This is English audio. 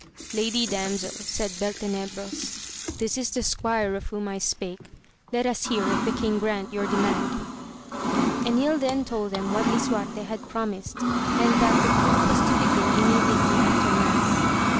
Lady Damsel, said Bel tenebros, this is the squire of whom I spake, let us hear if the king grant your demand. Enil then told them what Lisuarte had promised, and that the proof was to begin immediately after mass.